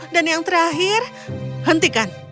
dan yang terakhir hentikan